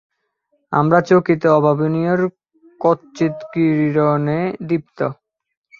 আমরা চকিত অভাবনীয়ের ক্কচিৎ-কিরণে দীপ্ত।